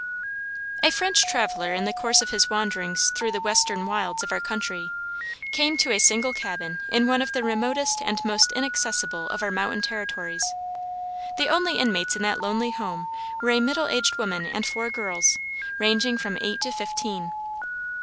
A French traveler in the course of his wanderings through, the western wilds of our country, came to a single cabin in one of the remotest and most inaccessible of our mountain territories. The only inmates in that lonely home were a middle aged woman and four girls, ranging from eight to fifteen.